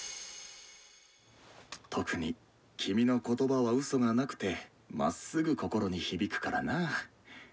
特に君の言葉はうそがなくてまっすぐ心に響くからなぁ。